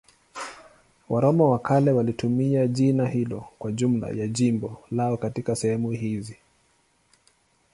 Waroma wa kale walitumia jina hilo kwa jumla ya jimbo lao katika sehemu hizi.